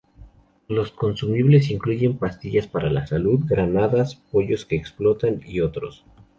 Los consumibles incluyen pastillas para la salud, granadas, pollos que explotan y otros.